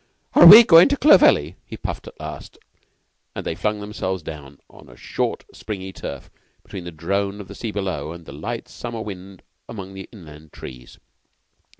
"Are we going to Clovelly?" he puffed at last, and they flung themselves down on the short, springy turf between the drone of the sea below and the light summer wind among the inland trees.